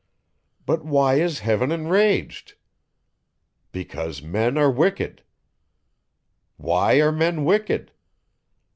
But why is heaven enraged? Because men are wicked. Why are men wicked?